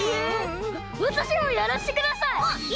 わたしにもやらせてください！